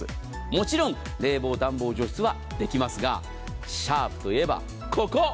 もちろん冷房、暖房、除湿はできますがシャープといえばここ。